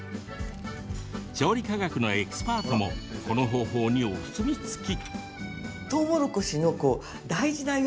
調理科学のエキスパートもこの方法に、お墨付き。